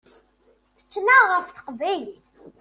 Tettnaɣ ɣef teqbaylit.